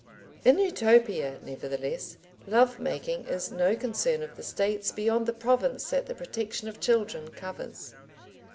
In Utopia, nevertheless, love making is no concern of the State's beyond the province that the protection of children covers.